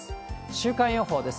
週間予報です。